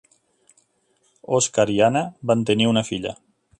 Oscar i Anna van tenir una filla.